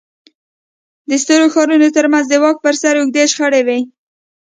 د سترو ښارونو ترمنځ د واک پر سر اوږدې شخړې وې